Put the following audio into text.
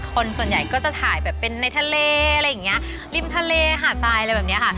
คนส่วนใหญ่ก็จะถ่ายแบบเป็นในทะเลอะไรอย่างเงี้ยริมทะเลหาดทรายอะไรแบบนี้ค่ะ